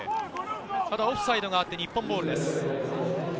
ただオフサイドがあって、日本ボールです。